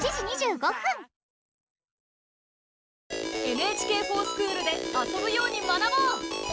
「ＮＨＫｆｏｒＳｃｈｏｏｌ」で遊ぶように学ぼう！